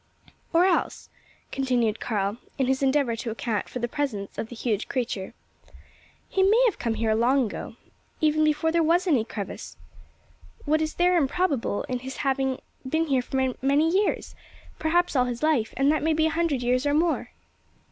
Or else," continued Karl, in his endeavour to account for the presence of the huge creature, "he may have come here long ago, even before there was any crevasse. What is there improbable in his having been here many years perhaps all his life, and that may be a hundred years or more?"